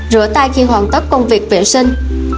rửa tay khi hoàn tất công việc vệ sinh